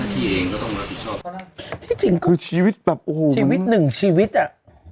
ที่จริงคุณชีวิต๑แบบชีวภาพ